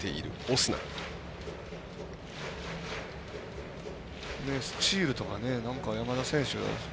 スチールとか、山田選手